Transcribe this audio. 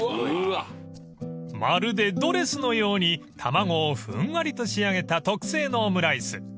［まるでドレスのように卵をふんわりと仕上げた特製のオムライス］